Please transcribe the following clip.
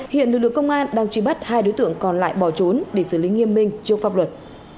hiện lực lượng công an đang truy bắt hai đối tượng còn lại bỏ trốn để xử lý nghiêm minh trước pháp luật